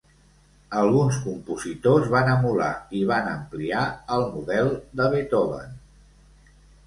Alguns compositors van emular i van ampliar el model de Beethoven.